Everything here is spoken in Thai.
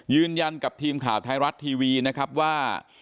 ยืนยันกับทีมข่าวไทยรัฐทีวีนะครับว่า